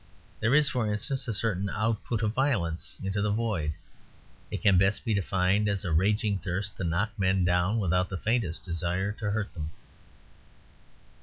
There is, for instance, a certain output of violence into the void. It can best be defined as a raging thirst to knock men down without the faintest desire to hurt them.